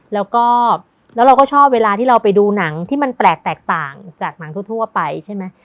แล้วก็แล้วเราก็ชอบเวลาที่เราไปดูหนังที่มันแปลกแตกต่างจากหนังทั่วไปใช่ไหม